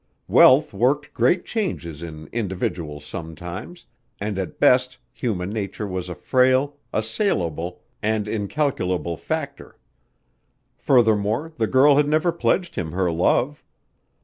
Wealth worked great changes in individuals sometimes, and at best human nature was a frail, assailable, and incalculable factor. Furthermore the girl had never pledged him her love.